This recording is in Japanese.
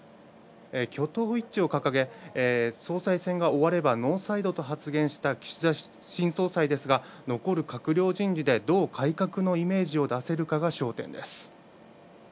挙党一致を掲げ、総裁選が終わればノーサイドと発言した岸田新総裁ですが残る閣僚人事でどう改革のイメージを出せるかが焦点です。